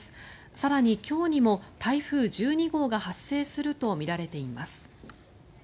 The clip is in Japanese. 更に今日にも台風１２号が発生するとみられています。